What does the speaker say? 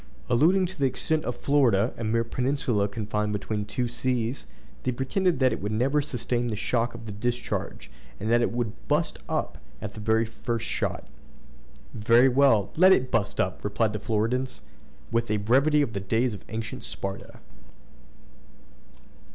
Alluding to the extent of Florida, a mere peninsula confined between two seas, they pretended that it could never sustain the shock of the discharge, and that it would "bust up" at the very first shot. "Very well, let it bust up!" replied the Floridans, with a brevity of the days of ancient Sparta.